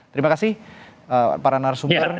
terima kasih para narasumber